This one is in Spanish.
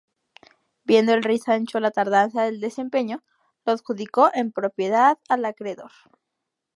Viendo el rey Sancho la tardanza del desempeño, lo adjudicó en propiedad al acreedor.